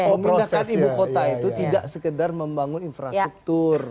kalau memindahkan ibu kota itu tidak sekedar membangun infrastruktur